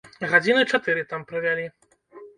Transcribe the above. Гадзіны чатыры там правялі.